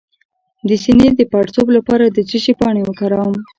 د سینې د پړسوب لپاره د څه شي پاڼې وکاروم؟